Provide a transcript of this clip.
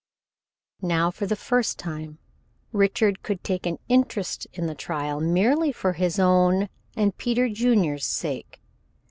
Now for the first time Richard could take an interest in the trial merely for his own and Peter Junior's sake.